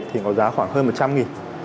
thì có giá khoảng hơn một trăm linh nghìn